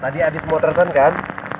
tadi habis mototron kan